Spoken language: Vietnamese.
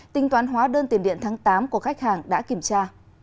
tính toán hóa đơn tiền điện tháng tám của khách hàng đã kiểm tra